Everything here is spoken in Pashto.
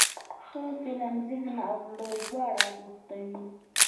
ښه فلم ذهن او زړه دواړه بوختوي.